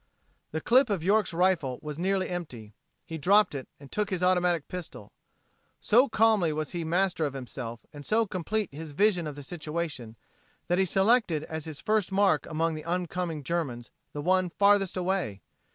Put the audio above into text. The clip of York's rifle was nearly empty. He dropped it and took his automatic pistol. So calmly was he master of himself and so complete his vision of the situation that he selected as his first mark among the oncoming Germans the one farthest away.